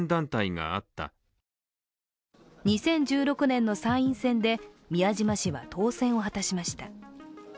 ２０１６年の参院選で宮島氏は当選を果たしました。